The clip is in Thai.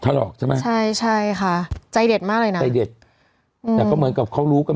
ถลอกใช่ไหมใช่ใช่ค่ะใจเด็ดมากเลยนะใจเด็ดอืมแต่ก็เหมือนกับเขารู้กัน